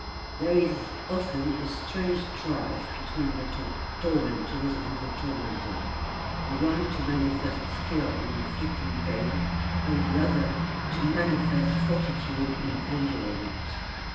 There is often a strange strife between the tormentors and the tormented; the one to manifest skill in inflicting pain, and the other to manifest fortitude in enduring it.